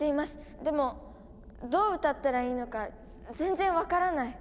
でもどう歌ったらいいのか全然分からない。